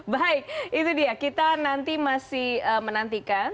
baik itu dia kita nanti masih menantikan